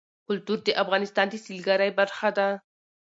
کلتور د افغانستان د سیلګرۍ برخه ده.